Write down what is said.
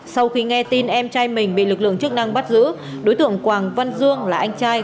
sau khi nghe tin em trai mình bị lực lượng chức năng bắt giữ đối tượng quảng văn dương là anh trai